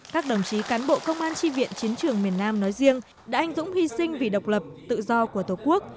các đồng chí cán bộ công an tri viện chiến trường miền nam nói riêng đã anh dũng hy sinh vì độc lập tự do của tổ quốc